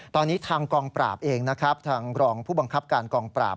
ตอนนี้ทางกองปราบเองนะครับทางรองผู้บังคับการกองปราบ